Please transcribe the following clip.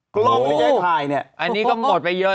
กล้องที่จะถ่ายเนี่ย